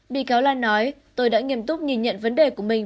bị cáo lan nói tôi đã nghiêm túc nhìn nhận vấn đề của mình